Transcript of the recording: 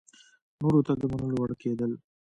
نورو ته د منلو وړ کېدل